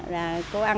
chiều dặm cũng dậy